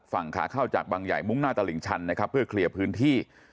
ฝั่งขาเข้าจากบางใหญ่มุ่งหน้าตลิ่งชันนะครับเพื่อเคลียร์พื้นที่